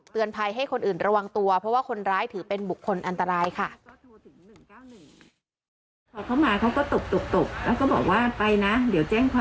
ภัยให้คนอื่นระวังตัวเพราะว่าคนร้ายถือเป็นบุคคลอันตรายค่ะ